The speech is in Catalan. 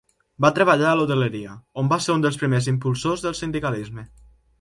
Va treballar a l'hoteleria, on va ser un dels primers impulsors del sindicalisme.